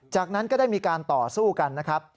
จากนั้นก็ได้มีการต่อสู้กันนะครับ